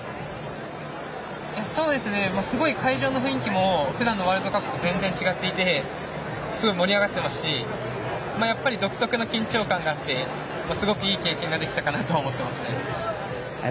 すごい、会場の雰囲気もふだんのワールドカップと全然違っていてすごい盛り上がっていますし独特な緊張感があってすごくいい経験ができたかなと思っていますね。